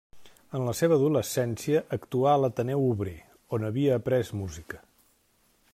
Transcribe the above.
En la seva adolescència actuà a l'Ateneu Obrer, on havia après música.